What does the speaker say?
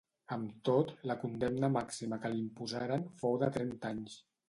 Amb tot, la condemna màxima que li imposaren fou de trenta anys.